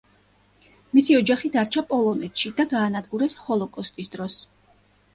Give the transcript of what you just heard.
მისი ოჯახი დარჩა პოლონეთში და გაანადგურეს ჰოლოკოსტის დროს.